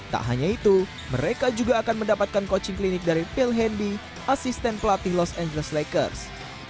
tak hanya itu mereka juga akan mendapatkan coaching klinik dari phil hendy asisten pelatih los angeles lakers